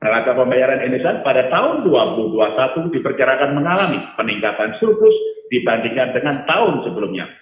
raga pembayaran indonesia pada tahun dua ribu dua puluh satu diperkirakan mengalami peningkatan surplus dibandingkan dengan tahun sebelumnya